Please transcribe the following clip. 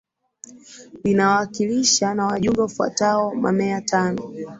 linawakilishwa na Wajumbe wafuatao Mameya tano